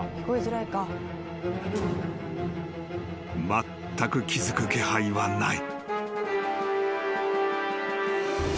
［まったく気付く気配はない］